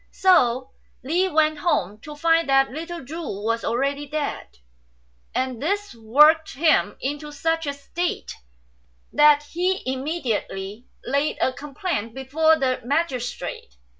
So Li went home, to find that little Chu was already dead ; and this worked him into such a state that he immediately laid a complaint before the magistrate.